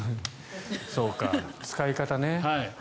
そうか、使い方ね。